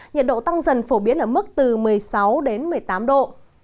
nhiệt độ tăng dần phổ biến ở mức từ một mươi sáu đến một mươi tám độ